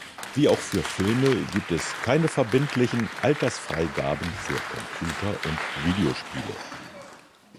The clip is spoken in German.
Wie auch für Filme gibt es keine verbindlichen Altersfreigaben für Computer- und Videospiele.